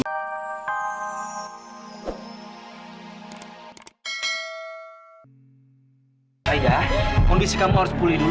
ayah kondisi kamu harus pulih dulu